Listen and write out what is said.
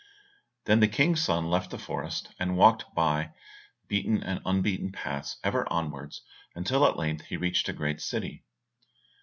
Then the King's son left the forest, and walked by beaten and unbeaten paths ever onwards until at length he reached a great city.